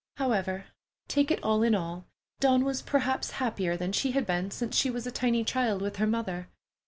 However, take it all in all, Dawn was perhaps happier than she had been since she was a tiny child with her mother.